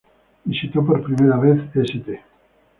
Visitó por primera vez St.